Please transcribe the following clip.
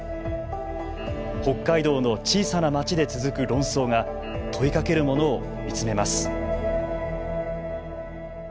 北海道の小さな町で続く論争が問いかけるものを見つめます。